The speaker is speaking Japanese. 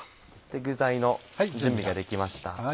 具材の準備ができました。